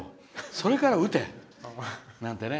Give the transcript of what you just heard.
それから打て！なんてね。